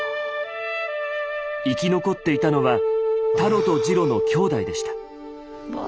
生き残っていたのはタロとジロの兄弟でした。